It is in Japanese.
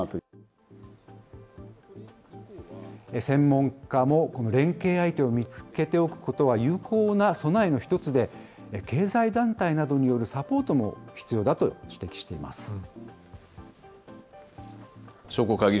専門家も、この連携相手を見つけておくことは有効な備えの一つで、経済団体などによるサポートも必要だと指摘しています。